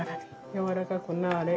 やわらかくなれ。